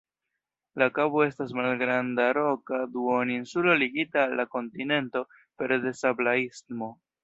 La kabo estas malgranda roka duoninsulo ligita al la kontinento pere de sabla istmo.